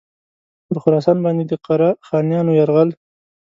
پر خراسان باندي د قره خانیانو یرغل.